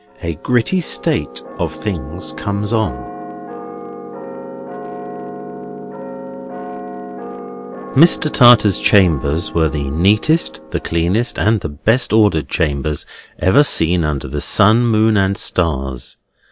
A GRITTY STATE OF THINGS COMES ON Mr. Tartar's chambers were the neatest, the cleanest, and the best ordered chambers ever seen under the sun, moon, and stars.